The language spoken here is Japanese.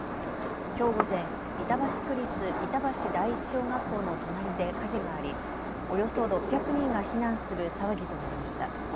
きょう午前、板橋区立板橋第一小学校の隣で火事があり、およそ６００人が避難する騒ぎとなりました。